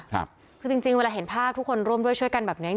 คือจริงจริงเวลาเห็นภาพทุกคนร่วมด้วยช่วยกันแบบเนี้ย